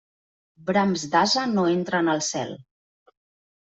Brams d'ase no entren al cel.